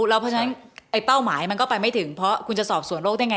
เพราะฉะนั้นไอ้เป้าหมายมันก็ไปไม่ถึงเพราะคุณจะสอบส่วนโรคได้ไง